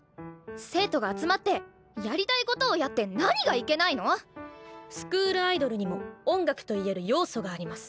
生徒が集まってやりたいことをやって何がいけないの⁉スクールアイドルにも音楽と言える要素があります。